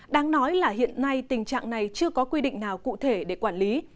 đáng nói là hiện nay tình trạng này chưa có quy định nào cụ thể để quản lý